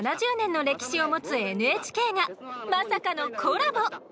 ７０年の歴史を持つＮＨＫがまさかのコラボ！